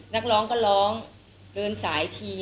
นักร้องก็ร้องเดินสายที